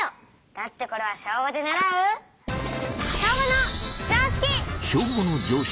だってこれは小５で習う天の声「小５の常識」。